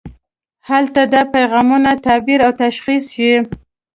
هلته دا پیغامونه تعبیر او تشخیص شي.